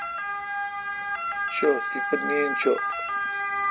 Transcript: چو تیپہ نیند چو۔